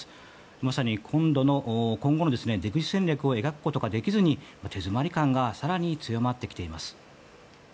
まさに今後の出口戦略を描くことができずに手詰まり感が更に強まってきています。